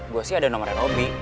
gue sih ada nomernya nobi